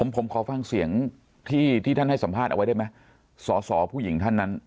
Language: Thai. ผมขอฟังเสียงที่ท่านให้สัมภาษณ์เอาไว้ได้ไหมสอสอผู้หญิงท่านนั้น